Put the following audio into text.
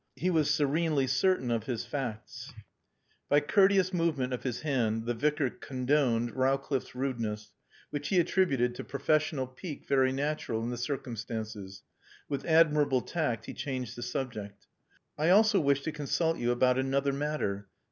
He was serenely certain of his facts. By courteous movement of his hand the Vicar condoned Rowcliffe's rudeness, which he attributed to professional pique very natural in the circumstances. With admirable tact he changed the subject. "I also wished to consult you about another matter.